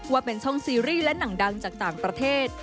ว่าเป็นช่องซีรีส์และหนังดังจากต่างประเทศ